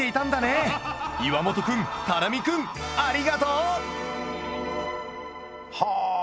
岩本くんたら実くんありがとう！はあ。